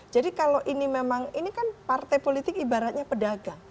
jadi kalau ini memang ini kan partai politik ibaratnya pedagang